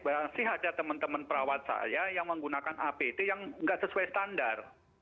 masih ada teman teman perawat saya yang menggunakan apd yang nggak sesuai standar